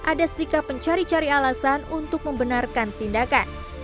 ada sikap pencari cari alasan untuk membenarkan tindakan